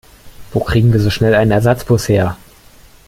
Wo kriegen wir so schnell einen Ersatzbus her?